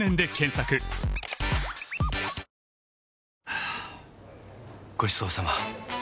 はぁごちそうさま！